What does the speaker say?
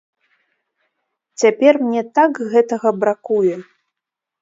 Цяпер мне так гэтага бракуе.